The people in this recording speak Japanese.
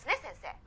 先生。